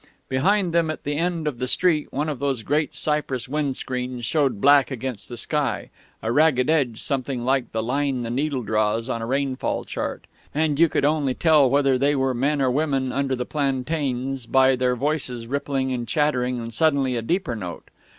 Behind them, at the end of the street, one of these great cypress wind screens showed black against the sky, a ragged edge something like the line the needle draws on a rainfall chart; and you could only tell whether they were men or women under the plantains by their voices rippling and chattering and suddenly a deeper note....